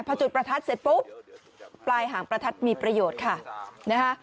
พอจุดประทัดเสร็จปุ๊บปลายหางประทัดมีประโยชน์ค่ะนะฮะ